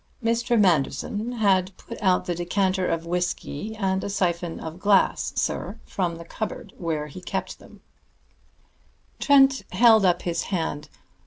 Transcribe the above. "Mr. Manderson had put out the decanter of whisky and a syphon and glass, sir, from the cupboard where he kept them " Trent held up his hand.